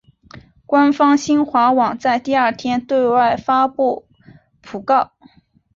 官方新华网在第二天对外发出讣告。